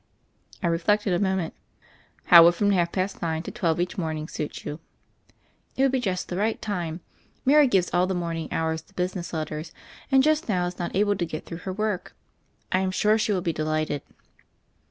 I reflected for a moment. THE FAIRY OF THE SNOWS 201 "How would from half past nine to twelve each morning suit you?" "It wouldT)e just the right time. Mary gives all the morning hours to business letters, and just now is not able to ^tt through her work. I am sure she will be delighted."